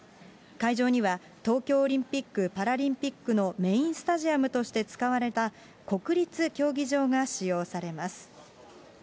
会場には、東京オリンピック・パラリンピックのメインスタジアムとして使われた、国立競技場が使用されます。